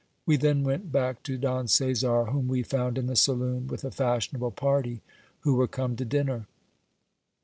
We then went back to Don Caesar, whom we found in the saloon with a fashionable party, who were come to dinner.